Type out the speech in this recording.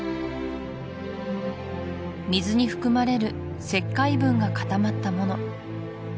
水に含まれる石灰分が固まったもの